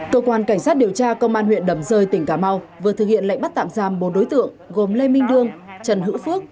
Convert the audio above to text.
cơ quan cảnh sát điều tra công an huyện đầm rơi tỉnh cà mau vừa thực hiện lệnh bắt tạm giam bốn đối tượng gồm lê minh đương trần hữu phước